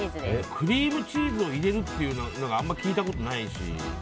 クリームチーズを入れるというのはあまり聞いたことないし。